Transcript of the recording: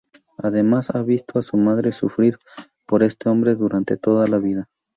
Además, ha visto a su madre sufrir por este hombre durante toda la vida.